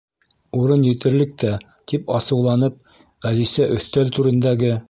—Урын етерлек тә! —тип асыуланып, Әлисә өҫтәл түрендәге